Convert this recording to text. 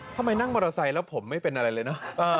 ทำไมนั่งมอเตอร์ไซค์แล้วผมไม่เป็นอะไรเลยเนอะ